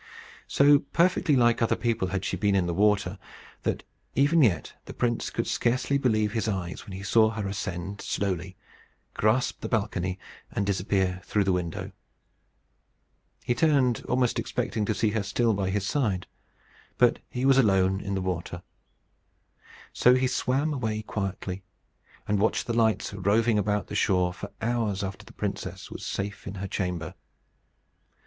So perfectly like other people had she been in the water, that even yet the prince could scarcely believe his eyes when he saw her ascend slowly, grasp the balcony, and disappear through the window. He turned, almost expecting to see her still by his side. But he was alone in the water. So he swam away quietly, and watched the lights roving about the shore for hours after the princess was safe in her chamber.